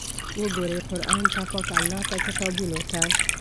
وګورئ قرآن ته، پاک الله ته، کتابونو ته!